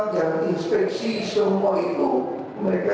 tanpa kerja diisahkan